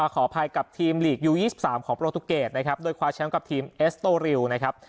ขออภัยกับทีมหลีกยู๒๓ของโปรตุเกตนะครับโดยคว้าแชมป์กับทีมเอสโตริวนะครับ